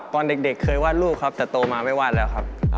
ตอนเด็กเคยวาดรูปครับแต่โตมาไม่วาดแล้วครับ